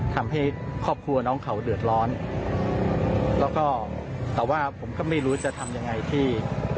ทำให้ครอบครัวน้องเขาเดือดร้อนแล้วก็แต่ว่าผมก็ไม่รู้จะทำยังไงที่